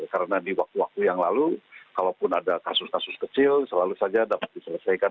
karena di waktu waktu yang lalu kalaupun ada kasus kasus kecil selalu saja dapat diselesaikan